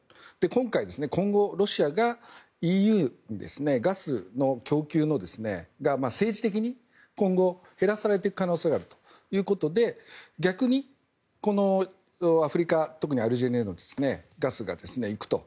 今回、今後、ロシアがＥＵにガスの供給が政治的に今後、減らされていく可能性があるということで逆にアフリカ、特にアルジェリアのガスが行くと。